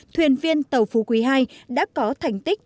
thuyền viên tàu phú quỳ hai đã có thành tích